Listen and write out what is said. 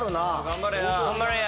頑張れよ！